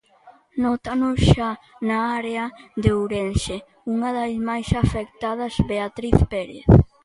Nótano xa na área de Ourense, unha das máis afectadas, Beatriz Pérez...